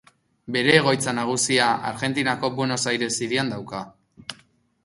Bere egoitza nagusia Argentinako Buenos Aires hirian dauka.